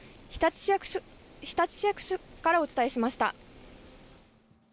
日立市役所からお伝えしました。